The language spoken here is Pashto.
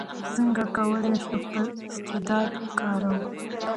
څنګه کولای سو خپل استعداد وکاروو؟